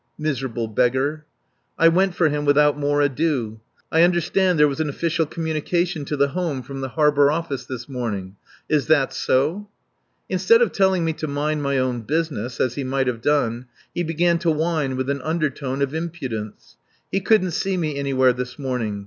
Miserable beggar! I went for him without more ado. "I understand there was an official communication to the Home from the Harbour Office this morning. Is that so?" Instead of telling me to mind my own business, as he might have done, he began to whine with an undertone of impudence. He couldn't see me anywhere this morning.